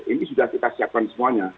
ini sudah kita siapkan semuanya